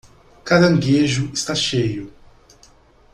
Caranguejo está cheio